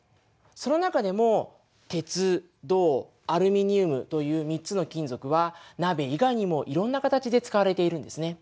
その中でも鉄銅アルミニウムという３つの金属は鍋以外にもいろんな形で使われているんですね。